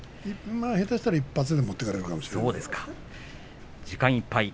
下手したら１発で持っていかれるかもしれない。